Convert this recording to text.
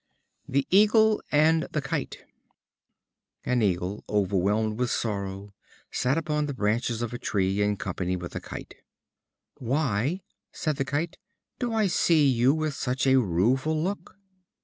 The Eagle and the Kite. An Eagle, overwhelmed with sorrow, sat upon the branches of a tree, in company with a Kite. "Why," said the Kite, "do I see you with such a rueful look?"